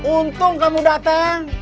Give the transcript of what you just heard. untung kamu datang